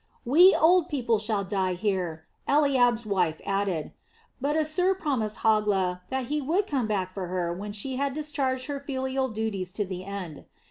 "We old people shall die here," Eliab's wife added. But Assir promised Hogla that he would come back for her when she had discharged her filial duties to the end.